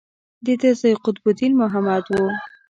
د ده زوی قطب الدین محمد و.